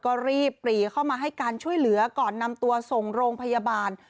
ก็รีบปรีเข้ามาให้การช่วยเหลือก่อนนำตัวส่งโรงพยาบาล